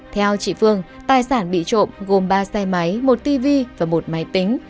theo chị phương tài sản bị trộm gồm ba xe máy một tv và một máy tính